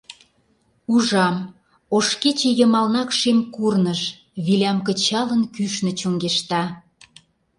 Ужам, ош кече йымалнак шем курныж, Вилям кычалын, кӱшнӧ чоҥешта.